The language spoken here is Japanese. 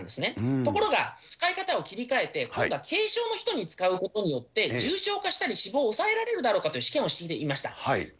ところが、使い方を切り替えて今度は軽症の人に使うことによって、重症化したり、死亡を抑えられるだろうかという試験をしていました。